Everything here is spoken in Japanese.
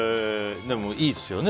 でも、いいですよね。